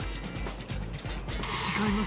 違います。